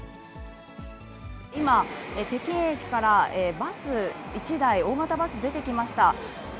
今、北京駅からバス１台、大型バス、出てきました。